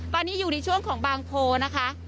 ตอนนี้อยู่ในช่วงของบางโพนะคะ